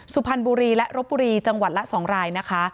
สุพรรณบุรีและรบบุรีจังหวัดละ๒รายนะคะ